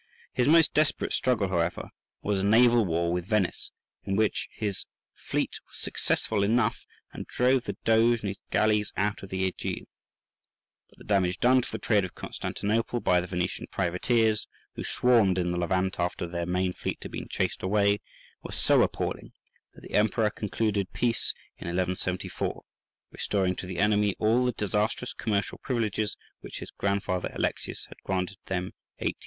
His most desperate struggle, however, was a naval war with Venice, in which his fleet was successful enough, and drove the Doge and his galleys out of the Ægean. But the damage done to the trade of Constantinople by the Venetian privateers, who swarmed in the Levant after their main fleet had been chased away, was so appalling that the Emperor concluded peace in 1174, restoring to the enemy all the disastrous commercial privileges which his grandfather Alexius had granted them eight years before.